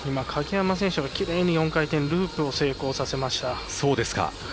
鍵山選手がきれいに４回転ループを成功させました。